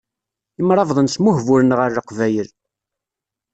Imṛabḍen smuhbulen ɣer leqbayel.